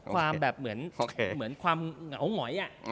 ความเหมือนเหมือนความเหงาหงอย